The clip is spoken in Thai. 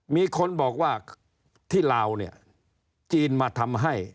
มีคนบอกว่าที่ลาวเนี่ยจีนมาทำให้